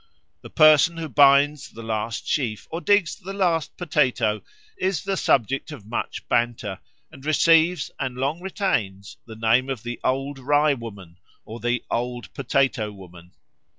The person who binds the last sheaf or digs the last potato is the subject of much banter, and receives and long retains the name of the Old Rye woman or the Old Potato woman.